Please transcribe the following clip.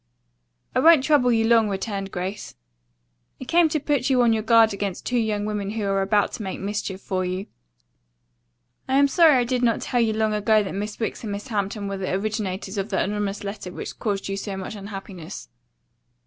"I won't trouble you long," returned Grace. "I came to put you on your guard against two young women who are about to make mischief for you. I am very sorry I did not tell you long ago that Miss Wicks and Miss Hampton were the originators of the anonymous letter which caused you so much unhappiness.